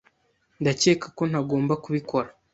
Ndakeka ko ntagomba kubikora.